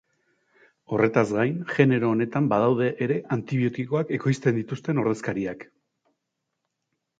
Horretaz gain, genero honetan badaude ere antibiotikoak ekoizten dituzten ordezkariak.